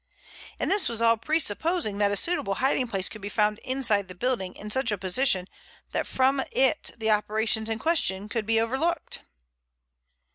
And this was all presupposing that a suitable hiding place could be found inside the building in such a position that from it the operations in question could be overlooked.